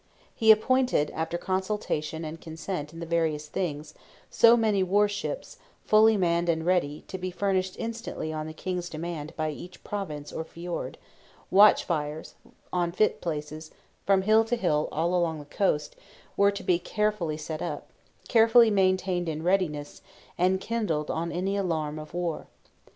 He appointed, after consultation and consent in the various Things, so many war ships, fully manned and ready, to be furnished instantly on the King's demand by each province or fjord; watch fires, on fit places, from hill to hill all along the coast, were to be carefully set up, carefully maintained in readiness, and kindled on any alarm of war.